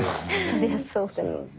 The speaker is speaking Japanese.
そりゃそうだよ。